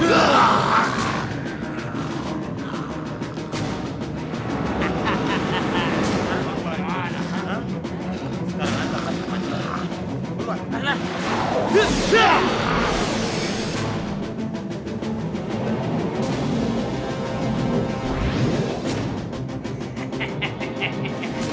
lihat beli daging ini